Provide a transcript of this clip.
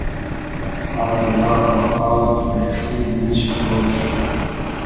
آغیلا آباد , بېخی دیل شی خۉش